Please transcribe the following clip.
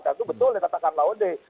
kan itu betul ya katakan laude